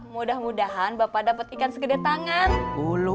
mudah mudahan bapak dapat ikan segede tanda lalu ya bapak mau ke rumah bapak dulu ya